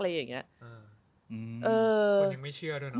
คนยังไม่เชื่อด้วยนะ